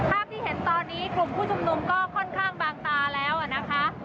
ภาพที่เห็นตอนนี้กลุ่มผู้ชุมนุมก็ค่อนข้างบางตาแล้วนะคะ